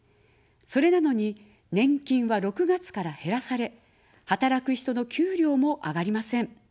それなのに、年金は６月から減らされ、働く人の給料も上がりません。